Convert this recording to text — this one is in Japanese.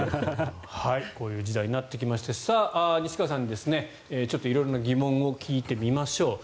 こういう時代になってきまして西川さんに色々な疑問を聞いてみましょう。